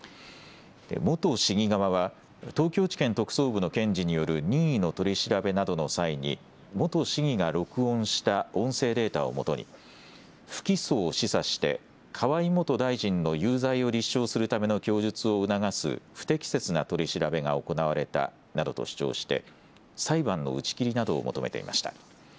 元市議側は東京地検特捜部の検事による任意の取り調べなどの際に元市議が録音した音声データをもとに不起訴を示唆して河井元大臣の有罪を立証するための供述を促す不適切な取り調べが行われたなどと主張して裁判の打ち切りなどを求めていました。